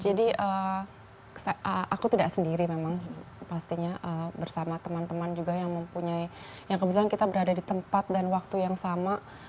jadi aku tidak sendiri memang pastinya bersama teman teman juga yang mempunyai yang kebetulan kita berada di tempat dan waktu yang sama